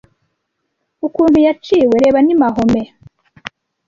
Ukuntu yaciwe reba ni Mahomet